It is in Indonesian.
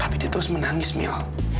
tapi dia terus menangis mil